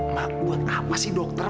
nah buat apa sih dokter